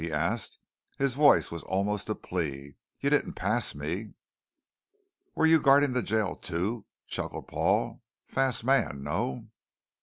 he asked. His voice was almost a plea. "You didn't pass me." "Were you guarding the jail too?" chuckled Paul. "Fast man, no?"